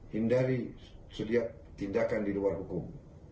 hindari setiap tindakan di luar hukum